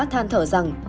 than thở rằng